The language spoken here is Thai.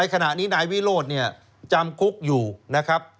ขณะนี้นายวิโรธเนี่ยจำคุกอยู่นะครับ